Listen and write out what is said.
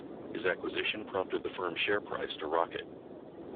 His acquisition prompted the firm's share price to rocket.